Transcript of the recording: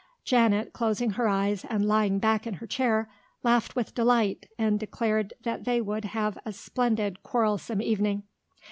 Janet, closing her eyes and lying back in her chair, laughed with delight and declared that they would have a splendid quarrelsome evening.